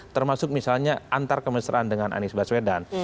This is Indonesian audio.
termasuk misalnya antar kemesraan dengan anies baswedan